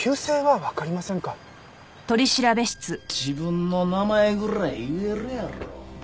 自分の名前ぐらい言えるやろ？